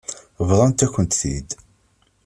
Bḍant-akent-t-id.